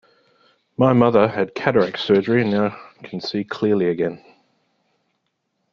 My grandmother had cataracts surgery and now can see clearly again.